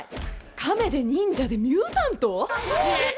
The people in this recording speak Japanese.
カメで忍者でミュータント？